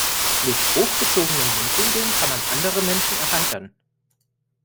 Mit hochgezogenen Mundwinkeln kann man andere Menschen erheitern.